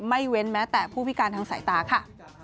เว้นแม้แต่ผู้พิการทางสายตาค่ะ